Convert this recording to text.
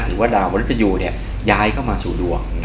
หรือว่าดาวมนุษยูย้ายเข้ามาสู่ดวง